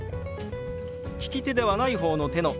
利き手ではない方の手の親指